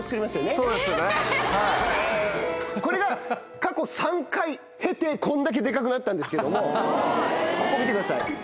これが過去３回経てこんだけデカくなったんですけどもここ見てください。